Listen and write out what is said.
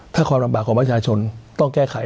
ถ้าความลำบากของประชาชนต้องแก้ไข